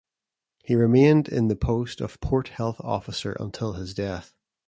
He remained in the post of Port Health Officer until his death.